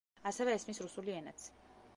ასევე ესმის რუსული ენაც.